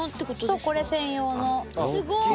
そうこれ専用のすごっ！